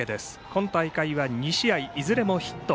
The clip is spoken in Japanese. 今大会は２試合いずれもヒット。